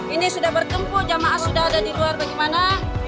ini sudah berkempu jemaah sudah ada di luar bagaimana